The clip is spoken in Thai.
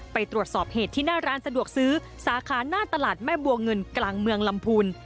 ไปตรวจสอบเหตุที่หน้าร้านสะดวกซื้อสาขาหน้าตลาดแม่บัวเงินกลางเมืองลำพูน